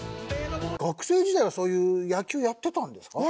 学生時代はそういう野球やってたんですか？